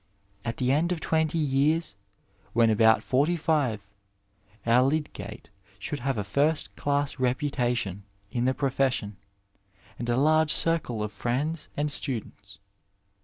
At the end of twenty years, when about forty five, our Lydgate should have a first class reputation in the profession, and a large circle of friends and students.